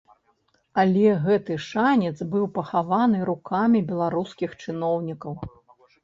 Але гэты шанец быў пахаваны рукамі беларускіх чыноўнікаў.